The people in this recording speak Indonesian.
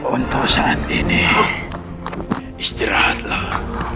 untuk saat ini istirahatlah